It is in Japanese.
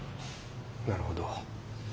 なるほど。